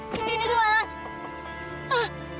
diri dxu mah